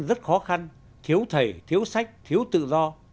rất khó khăn thiếu thầy thiếu sách thiếu tự do